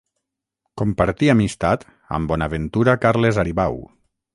Compartí amistat amb Bonaventura Carles Aribau.